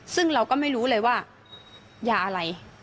ซึ่งเราก็ไม่รู้เลยว่ายาอะไร